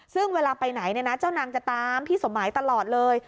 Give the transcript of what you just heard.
ซึ่งเวลาไปไหนเนี่ยนะเจ้านางจะตามพี่สมหมายตลอดเลย